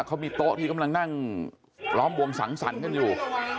เขามีโต๊ะที่กำลังนั่งล้อมวงสังสรรค์กันอยู่